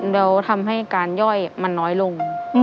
แล้วทำให้การย่อยมันน้อยลง